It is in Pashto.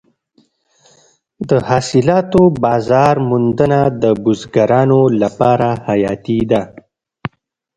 د حاصلاتو بازار موندنه د بزګرانو لپاره حیاتي ده.